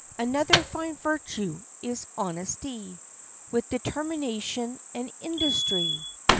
Another fine virtue is honesty, With determination and industry.